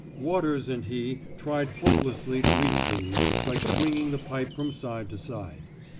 Waters and he tried hopelessly to reach these, by swinging the pipe from side to side.